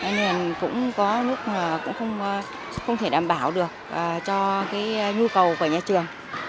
nên cũng có lúc không thể đảm bảo được cho nhu cầu của nhà trường